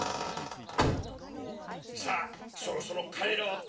さぁそろそろかえろうか。